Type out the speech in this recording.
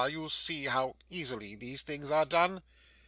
You see how easily these things are done!